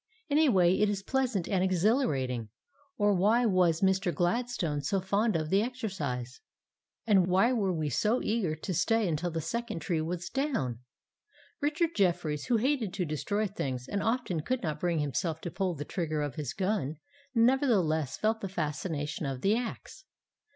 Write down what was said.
In a way, it is pleasant and exhilarating, or why was Mr. Gladstone so fond of the exercise? And why were we so eager to stay until the second tree was down? Richard Jefferies, who hated to destroy things, and often could not bring himself to pull the trigger of his gun, nevertheless felt the fascination of the axe.